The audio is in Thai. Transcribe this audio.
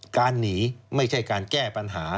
การหนีไม่ใช่การแก้ปัญหา